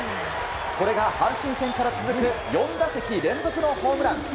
これが阪神戦から続く４打席連続のホームラン。